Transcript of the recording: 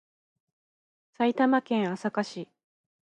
埼玉県朝霞市